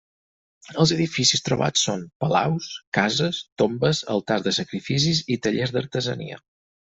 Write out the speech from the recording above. Els edificis trobats són: palaus, cases, tombes, altars de sacrificis i tallers d'artesania.